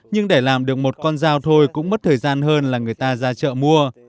nhưng để làm được một con dao thôi cũng mất thời gian hơn là người ta ra chợ mua